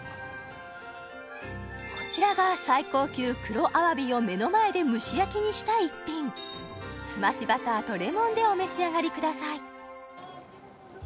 こちらが最高級黒アワビを目の前で蒸し焼きにした一品澄ましバターとレモンでお召し上がりください